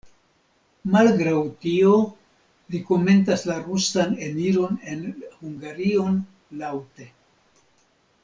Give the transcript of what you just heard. Malgraŭ tio li komentas la rusan eniron en Hungarion laŭte.